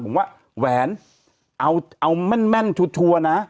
ผมว่าแหวนเอาแม่นทั่วนะ